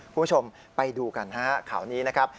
คุณผู้ชมไปดูกันนะครับข่าวนี้นะครับ